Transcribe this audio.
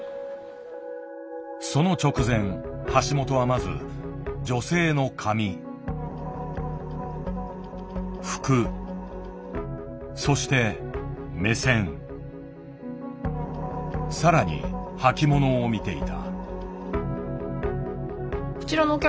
その直前橋本はまず女性の髪服そして目線さらに履き物を見ていた。